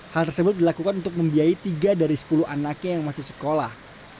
hal tersebut dilakukan untuk membiayai tiga dari sepuluh anaknya yang masih sekolah